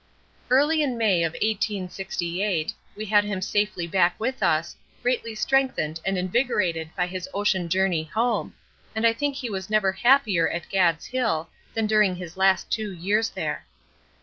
Early in May of 1868, we had him safely back with us, greatly strengthened and invigorated by his ocean journey home, and I think he was never happier at "Gad's Hill" than during his last two years there.